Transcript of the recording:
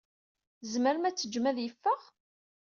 Tzemrem ad t-teǧǧem ad yeffeɣ?